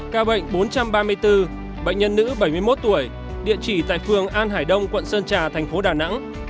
ca bệnh bốn trăm ba mươi bốn bệnh nhân nữ bảy mươi một tuổi địa chỉ tại phường an hải đông quận sơn trà thành phố đà nẵng